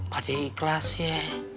pada ikhlas ya